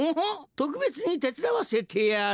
とくべつにてつだわせてやる。